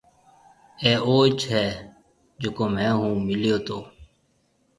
اَي اوج هيَ جڪو مهي هون ميليو تو۔